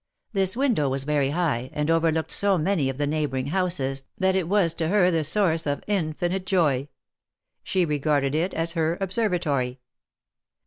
This window was very high, and overlooked so many of the neighboring houses that it was to her the source of infinite joy. She regarded it as her observatory.